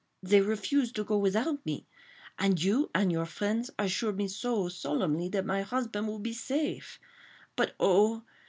They refused to go without me ... and you and your friends assured me so solemnly that my husband would be safe. But, oh!